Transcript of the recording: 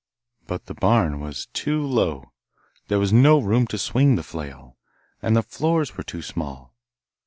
But the barn was too low, there was no room to swing the flail, and the floors were too small.